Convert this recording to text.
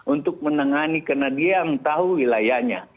untuk menangani karena dia yang tahu wilayahnya